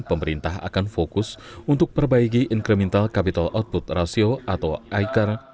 pemerintah akan fokus untuk perbaiki incremental capital output ratio atau icar